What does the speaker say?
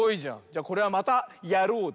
じゃこれは「またやろう！」